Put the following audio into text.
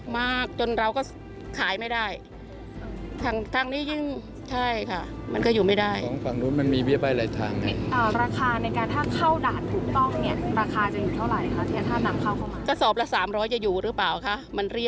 ประมาณเท่าไร